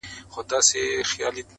ما چي ټانګونه په سوکونو وهل!